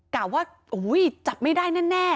กล่าวว่าจับไม่ได้แน่